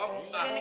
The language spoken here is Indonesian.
aduh aduh aduh